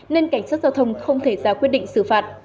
nên cảnh sát giao thông không thể ra quyết định xử phạt